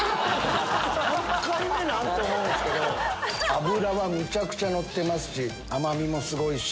脂はむちゃくちゃのってますし甘みもすごいし。